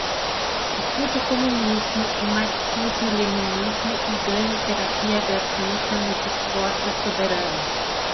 Estude o comunismo, o marxismo-leninismo e ganhe terapia gratuita no discord da Soberana.